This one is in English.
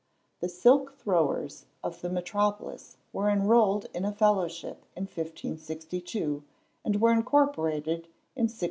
The silk throwsters of the metropolis were enrolled in a fellowship in 1562, and were incorporated in 1629.